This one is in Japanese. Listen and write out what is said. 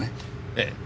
ええ。